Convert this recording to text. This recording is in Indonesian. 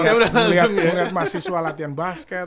ngeliat mahasiswa latihan basket